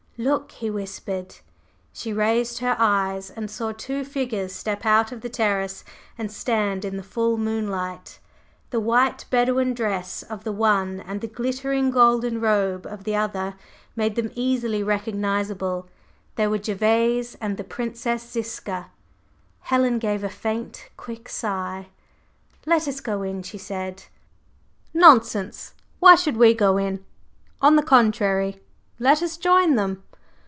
"Look!" he whispered. She raised her eyes and saw two figures step out on the terrace and stand in the full moonlight, the white Bedouin dress of the one and the glittering golden robe of the other made them easily recognizable, they were Gervase and the Princess Ziska. Helen gave a faint, quick sigh. "Let us go in," she said. "Nonsense! Why should we go in? On the contrary, let us join them."